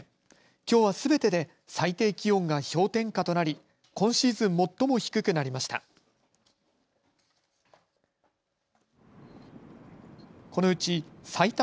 きょうはすべてで最低気温が氷点下となり今シーズン最も低くなりました。